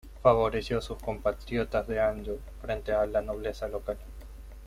Favoreció a sus compatriotas de Anjou frente a la nobleza local.